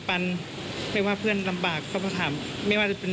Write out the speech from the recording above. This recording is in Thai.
ตั้งแต่หน้าที่ใหม่